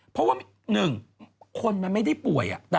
เพราะว่า๑คนมันไม่ได้ป่วย